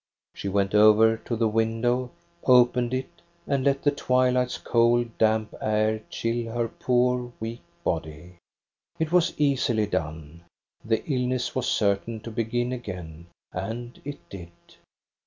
" She went over to the window, opened it, and let the twilight's cold, damp air chill her poor, weak body. " It was easily done. The illness was certain to begin again, and it did.